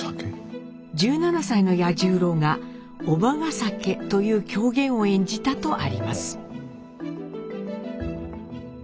１７歳の八十郎が「伯母ヶ酒」という狂言を演じたとあります。